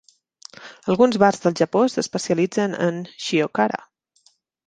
Alguns bars del Japó s'especialitzen en "shiokara".